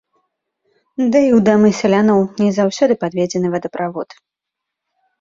Ды і ў дамы сялянаў не заўсёды падведзены вадаправод.